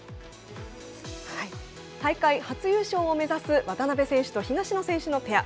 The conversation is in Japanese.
大会初優勝を目指す渡辺選手と東野選手のペア。